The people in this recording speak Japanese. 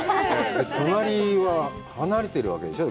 隣は離れてるわけでしょう？